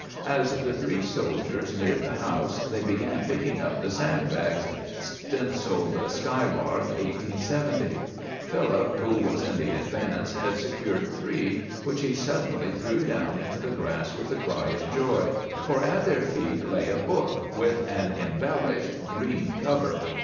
As the three soldiers neared the house, they began, picking up the sand bags, stenciled "Skylark, 1870." Philip, who was in the advance, had secured three, which he suddenly threw down into the grass with a cry of joy; for at their feet lay a book with an embellished green cover.